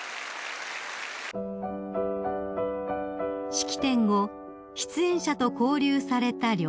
［式典後出演者と交流された両陛下］